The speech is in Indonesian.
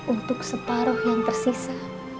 untuk separuh yang tersisa